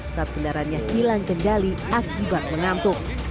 saat kendaraannya hilang kendali akibat mengantuk